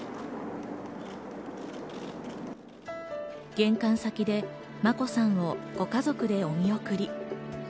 玄関先で眞子さんをご家族でお見送り。